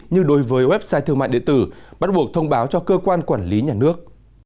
như đối với website thương mại điện tử bắt buộc thông báo cho cơ quan quản lý nhà nước